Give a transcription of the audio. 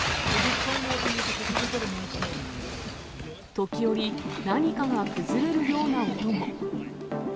時折、何かが崩れるような音も。